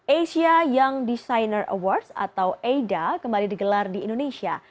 asia young designer awards atau aida kembali digelar di indonesia